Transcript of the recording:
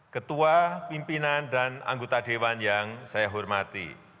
ketua pimpinan dan anggota dewan yang saya hormati